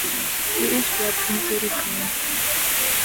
Let us drop into the grain-barn.